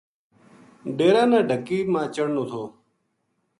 ڈیرا نا ڈھکی ما چڑھنو تھو